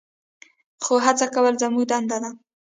خو هڅه کول زموږ دنده ده.